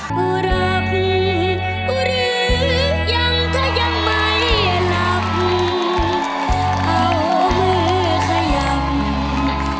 อยากได้แบบนี้ทำให้หน่อยสิ